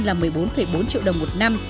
là một mươi bốn bốn triệu đồng một năm